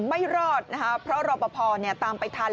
ไม่รอดนะครับเพราะรปภเนี่ยตามไปทัน